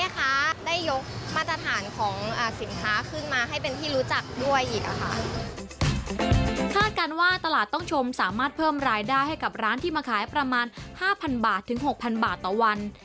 คาดการณ์ว่าตลาดต้องชมสามารถเพิ่มรายได้ให้กับร้านที่มาขายประมาณ๕๐๐บาทถึง๖๐๐บาทต่อวัน